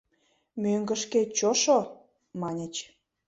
«Мӧҥгышкет чошо!» — маньыч.